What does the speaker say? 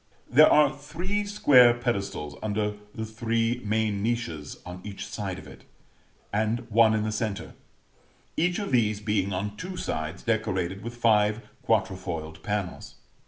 There are three square pedestals under the three main niches on each side of it, and one in the centre; each of these being on two sides decorated with five quatrefoiled panels.